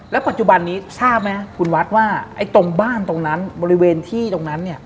ปัจจุบันนี้ทราบไหมคุณวัดว่าไอ้ตรงบ้านตรงนั้นบริเวณที่ตรงนั้นเนี่ย